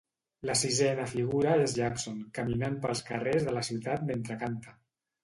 La sisena figura és Jackson caminant pels carrers de la ciutat mentre canta.